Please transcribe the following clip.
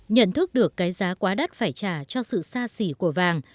nhận thức được cái giá quá đắt phải trả cho sự xa xỉ của vàng